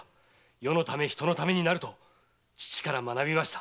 世のため人のためになると父から学びました。